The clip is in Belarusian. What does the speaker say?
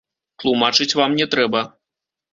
Тлумачыць вам не трэба.